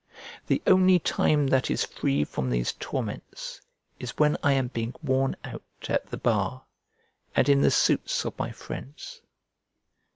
The only time that is free from these torments is when I am being worn out at the bar, and in the suits of my friends.